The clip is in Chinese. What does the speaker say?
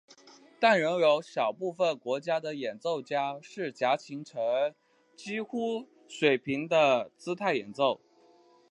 但仍有少部分国家的演奏家是夹琴呈几乎水平的姿态演奏。